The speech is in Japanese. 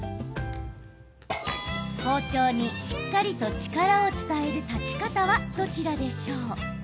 包丁にしっかりと力を伝える立ち方は、どちらでしょう？